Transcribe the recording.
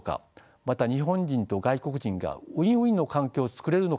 また日本人と外国人がウィンウィンの関係を作れるのかどうか。